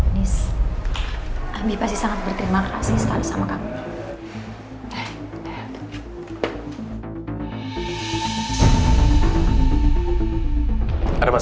nis abi pasti sangat berterima kasih sekali sama kamu